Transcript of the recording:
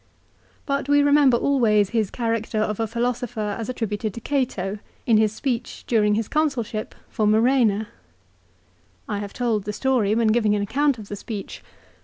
But we remember always his character of a philosopher as attributed to Cato, in his speech, during his Consulship, for Murena. I have told the story when giving an account of the speech.